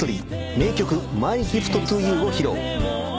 名曲『ＭｙＧｉｆｔｔｏＹｏｕ』を披露。